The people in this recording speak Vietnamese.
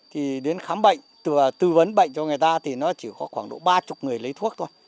thì đến khám bệnh tư vấn bệnh cho người ta thì nó chỉ có khoảng độ ba mươi người lấy thuốc thôi